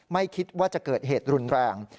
ไม่คิดว่าจะเกิดเหตุรุนแรง